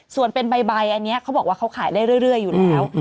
ส่วนเป็นใบอันนี้เขาบอกว่าเขาขายได้เรื่อยอยู่แล้ว